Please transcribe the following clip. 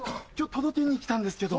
届けに来たんですけど。